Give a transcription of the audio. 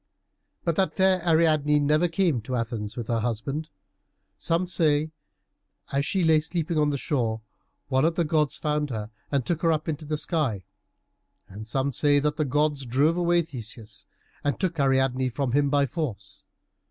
But that fair Ariadne never came to Athens with her husband. Some say that, as she lay sleeping on the shore, one of the gods found her and took her up into the sky, and some say that the gods drove away Theseus, and took Ariadne from him by force.